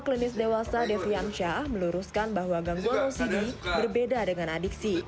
pak klinis dewasa devri amsyah meluruskan bahwa gangguan ocd berbeda dengan adiksi